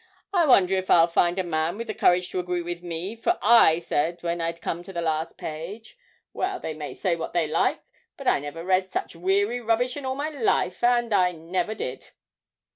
I wonder if I'll find a man with the courage to agree with me, for I said when I'd come to the last page, "Well, they may say what they like, but I never read such weary rubbish in all me life," and I never did!'